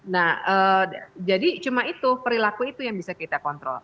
nah jadi cuma itu perilaku itu yang bisa kita kontrol